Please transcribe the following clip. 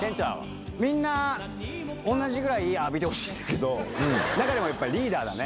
みんな同じぐらい浴びてほしいけど、中でもやっぱり、リーダーだね。